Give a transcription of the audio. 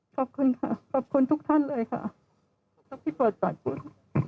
ขอบคุณค่ะขอบคุณทุกท่านเลยค่ะและพี่ปลอดภัยคุณ